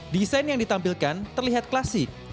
desain yang ditampilkan terlihat klasik